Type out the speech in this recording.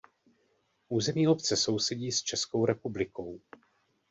Území obce sousedí s Českou republikou.